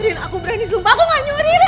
rin aku berani sumpah aku gak nyuri rin